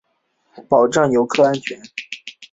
保障游客安全